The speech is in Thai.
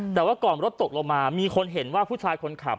แต่ว่าก่อนรถตกลงมามีคนเห็นว่าผู้ชายคนขับ